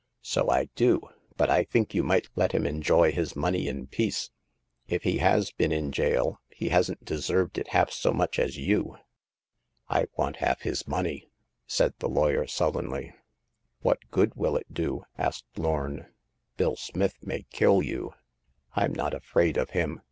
" So I do ; but I think you might let him en joy his money in peace. If he has been in jail, he hasn't deserved it half so much as you." I want half his money," said the lawyer, sullenly. "What good will it do ?" asked Lorn. " Bill Smith may kill you." " Fm not afraid of him